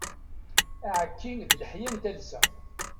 Aεekki d leḥya n talsa.